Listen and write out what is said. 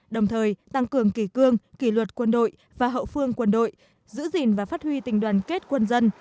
đồng thời tăng cường kỷ cương kỷ luật quân đội và hậu phương quân đội giữ gìn và phát huy tình đoàn kết quân dân